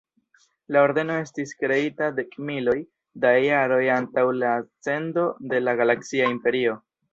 La ordeno estis kreita dekmiloj da jaroj antaŭ la ascendo de la Galaksia Imperio.